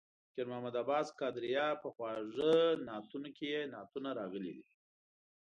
د فقیر محمد عباس قادریه په خواږه نعتونه کې یې نعتونه راغلي دي.